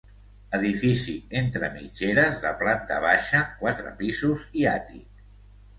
Edifici entre mitgeres de planta baixa, quatre pisos i àtic.